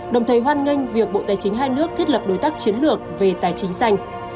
đồng thời hoan nghênh việc bộ tài chính hai nước thiết lập đối tác chiến lược về tài chính xanh